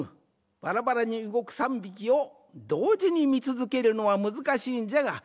バラバラにうごく３びきをどうじにみつづけるのはむずかしいんじゃがわ